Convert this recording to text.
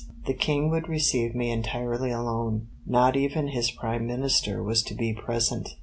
The King would receive me entirely alone; not even his Prime Minister was to be present.